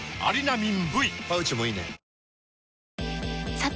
さて！